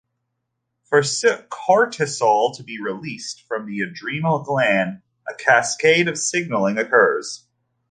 For cortisol to be released from the adrenal gland, a cascade of signaling occurs.